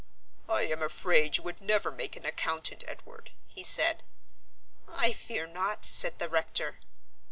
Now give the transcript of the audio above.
"I am afraid you would never make an accountant, Edward," he said. "I fear not," said the rector.